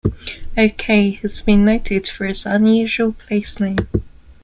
Okay has been noted for its unusual place name.